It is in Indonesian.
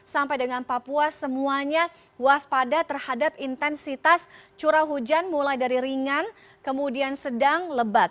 sampai dengan papua semuanya waspada terhadap intensitas curah hujan mulai dari ringan kemudian sedang lebat